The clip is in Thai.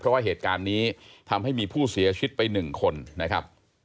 เพราะว่าเหตุการณ์นี้ทำให้มีผู้เสียชีวิตไป๑คนนะครับ